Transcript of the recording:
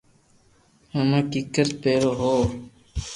ھمو ڪيڪير ڀيرو ھووُ